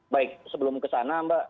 baik sebelum kesana mbak